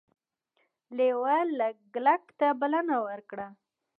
لیوه لګلګ ته بلنه ورکړه.